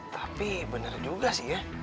tapi benar juga sih ya